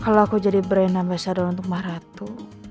kalau aku jadi berena besada untuk maharatu